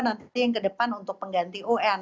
nanti yang ke depan untuk pengganti un